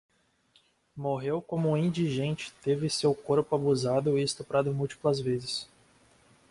Morreu como indigente, teve seu corpo abusado e estuprado múltiplas vezes